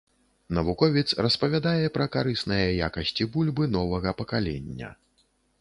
Навуковец распавядае пра карысныя якасці бульбы новага пакалення.